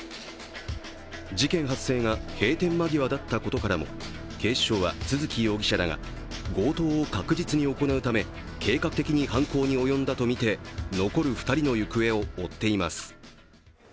事件発生が閉店間際だったことからも警視庁は都築容疑者らが強盗を確実に行うため計画的に犯行に及んだとみて、残る２人の行方を追っています。